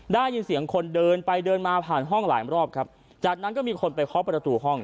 ได้ยินเสียงคนเดินไปเดินมาผ่านห้องหลายรอบครับจากนั้นก็มีคนไปเคาะประตูห้อง